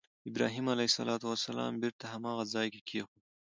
ابراهیم علیه السلام بېرته هماغه ځای کې کېښود.